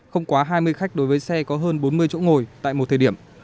không quá hai mươi khách đối với xe có hơn bốn mươi chỗ ngồi tại một thời điểm